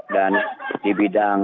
dan di bidang